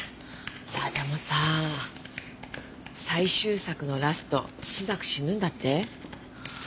いやでもさ最終作のラスト朱雀死ぬんだって？